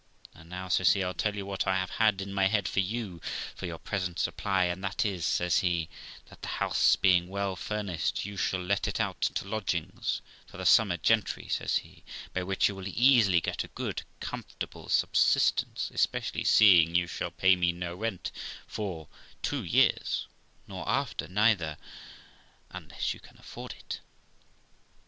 ' And now ', says he, ' I'll tell you what I have had in my head for you for your present supply, and that is', says he, 'that the house being well furnished, you shall let it out to lodgings for the summer gentry 1 , says he, 'by which you will easily get a good comfortable subsistence, especially seeing you shall pay me no rent for two years, nor after neither, unless you can afford it.'